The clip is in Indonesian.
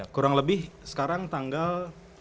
kurang lebih sekarang tanggal